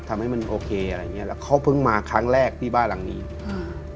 ทำให้มันโอเคอะไรอย่างเงี้แล้วเขาเพิ่งมาครั้งแรกที่บ้านหลังนี้อ่า